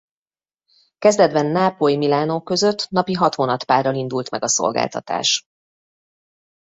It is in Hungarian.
Kezdetben Nápoly–Milánó között napi hat vonatpárral indult meg a szolgáltatás.